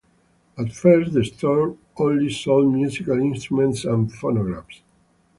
At first the store only sold musical instruments and phonographs.